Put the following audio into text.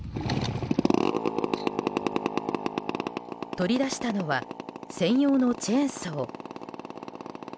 取り出したのは専用のチェーンソー。